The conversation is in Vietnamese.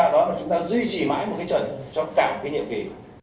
đó là chúng ta duy trì mãi một cái chuẩn trong cả một cái nhiệm kỳ